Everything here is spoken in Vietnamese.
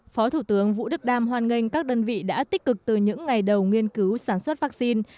phó thủ tướng vũ đức đam hoan nghênh các đơn vị đã tích cực từ những ngày đầu nghiên cứu sản xuất vaccine